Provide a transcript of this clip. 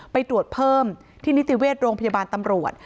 ไปตรวจเพิ่มที่นิติเวชโรงพยาบาลตำรวจ